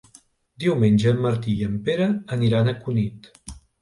Diumenge en Martí i en Pere aniran a Cunit.